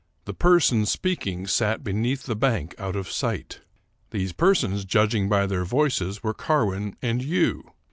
The persons speaking sat beneath the bank, out of sight. These persons, judging by their voices, were Carwin and you.